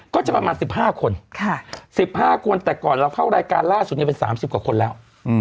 ก็จะประมาณ๑๕คน๑๕คนแต่ก่อนเราเข้ารายการล่าสุดเป็น๓๐กว่าคนแล้ว